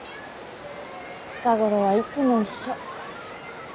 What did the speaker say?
近頃はいつも一緒。